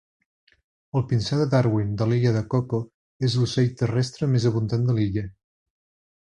El pinsà de Darwin de l'Illa del Coco és l'ocell terrestre més abundant de l'illa.